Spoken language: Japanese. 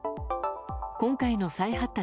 今回の再発達